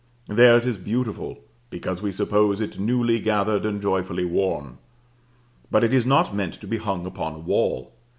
There it is beautiful, because we suppose it newly gathered and joyfully worn. But it is not meant to be hung upon a wall.